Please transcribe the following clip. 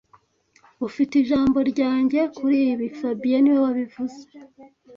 Ufite ijambo ryanjye kuri ibi fabien niwe wabivuze